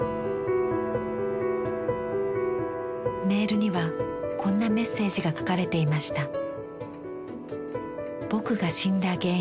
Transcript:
メールにはこんなメッセージが書かれていました。